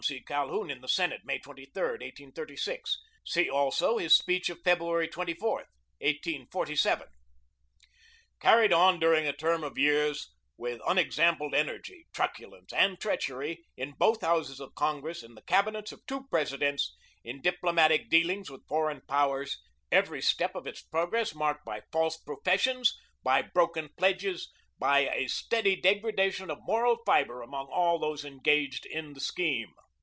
Calhoun in the Senate, May 23, 1836; see also his speech of February 24, 1847.] carried on during a term of years with unexampled energy, truculence and treachery; in both houses of Congress, in the cabinets of two Presidents, in diplomatic dealings with foreign powers, every step of its progress marked by false professions, by broken pledges, by a steady degradation of moral fiber among all those engaged in the scheme.